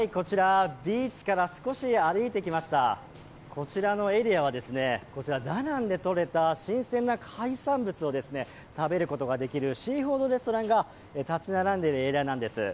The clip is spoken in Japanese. こちらのエリアは、ダナンでとれた新鮮な海産物を食べることができるシーフードレストランが立ち並んでいるエリアなんです。